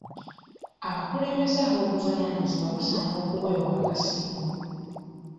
Abakulembeze ab'obuvunaanyizibwa basaana okuweebwa akasiimo.